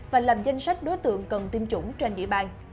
và làm danh sách đối tượng cần tiêm chủng trên địa bàn